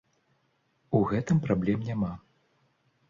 У гэтым праблем няма.